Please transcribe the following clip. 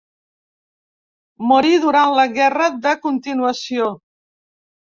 Morí durant la Guerra de Continuació.